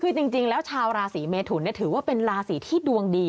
คือจริงแล้วชาวราศีเมทุนถือว่าเป็นราศีที่ดวงดี